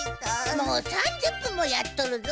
もう３０分もやっとるぞ。